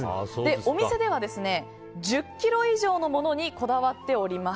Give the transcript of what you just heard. お店では１０ｋｇ以上のものにこだわっております。